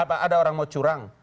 ada orang mau curang